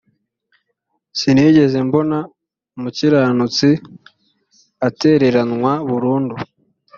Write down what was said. sinigeze mbona umukiranutsi atereranwa burundu